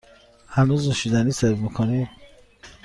هنوز نوشیدنی سرو می کنید؟